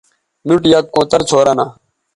نُوٹ یک کونتر څھورہ نہ